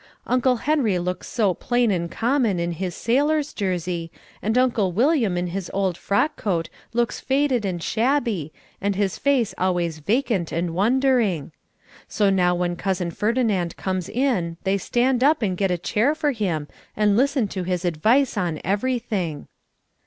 Uncle Henry looks so plain and common in his sailor's jersey, and Uncle William in his old frock coat looks faded and shabby and his face always vacant and wondering. So now when Cousin Ferdinand comes in they stand up and get a chair for him and listen to his advice on everything.